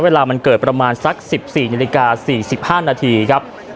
เวลามันเกิดประมาณสัก๑๔นาฬิกา๔๕นาทีครับ